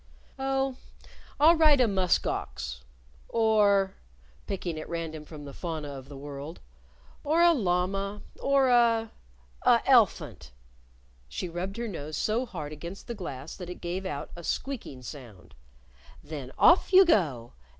"Oh, I'll ride a musk ox. Or" picking at random from the fauna of the world "or a llama, or a' a' el'phunt." She rubbed her nose so hard against the glass that it gave out a squeaking sound. "Then off you go!"